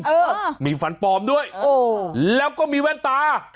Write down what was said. เออมีฟันปลอมด้วยแล้วก็มีแว่นตา